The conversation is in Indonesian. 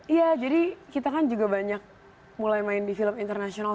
iya jadi kita kan juga banyak mulai main di film internasional